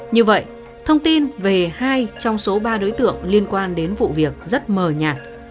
như vậy thông tin về hai trong số ba đối tượng liên quan đến vụ việc rất mờ nhạt